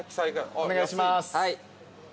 お願いします。